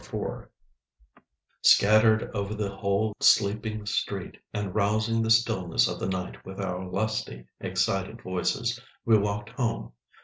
IV Scattered over the whole sleeping street and rousing the stillness of the night with our lusty, excited voices, we walked home.